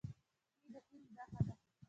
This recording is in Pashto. سپي د هیلو نښه ده.